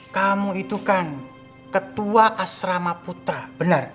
kamu itu kan ketua asrama putra benar